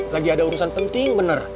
lagi ada urusan penting benar